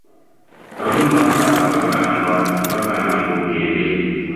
Abamu bakaaba bagamba mbu ogende.